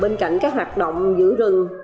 bên cạnh các hoạt động giữ rừng